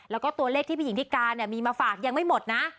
แล้วก็ตัวเลขที่พี่หญิงทิกาเนี่ยมีมาฝากยังไม่หมดนะ